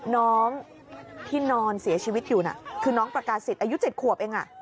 น้องที่นอนเสียชีวิตอยู่น่ะคือน้องประกาศิษย์อายุ๗ขวบเอง